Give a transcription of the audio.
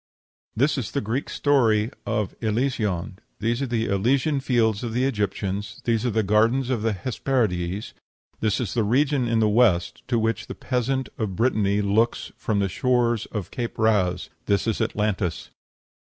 This is the Greek story of Elysion; these are the Elysian Fields of the Egyptians; these are the Gardens of the Hesperides; this is the region in the West to which the peasant of Brittany looks from the shores of Cape Raz; this is Atlantis.